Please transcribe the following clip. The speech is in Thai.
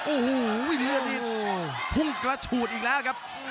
โอ้โหเลือดนี้พุ่งกระฉูดอีกแล้วครับ